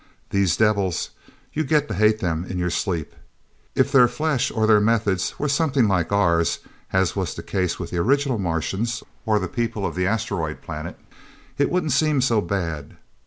These devils you get to hate them in your sleep. If their flesh or their methods were something like ours, as was the case with the original Martians or the people of the Asteroid Planet, it wouldn't seem so bad.